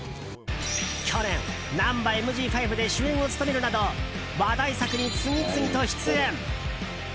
去年「ナンバＭＧ５」で主演を務めるなど話題作に次々と出演。